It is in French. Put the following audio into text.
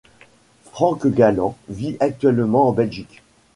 Frank Galan vit actuellement en Belgique.